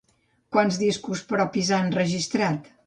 Quants discos propis ha enregistrat?